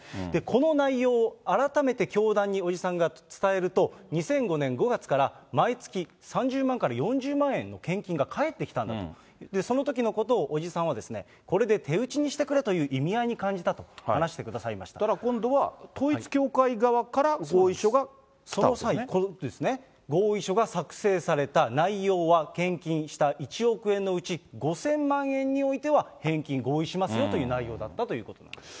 この内容を改めて教団に伯父さんが伝えると、２００５年５月から、毎月３０万から４０万円の献金が返ってきたんだと、そのときのことを伯父さんは、これで手打ちにしてくれという意味合いに感じたと話してくださいそしたら今度は、統一教会側この際、合意書が作成された内容は、献金した１億円のうち、５０００万円においては、返金合意しますよという内容だったということです。